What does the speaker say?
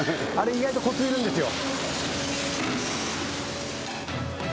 意外とコツいるんですよ